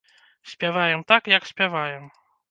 Спяваем так, як спяваем.